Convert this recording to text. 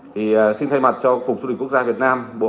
thì xin thay mặt cho cục du lịch quốc gia việt nam